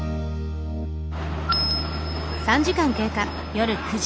夜９時。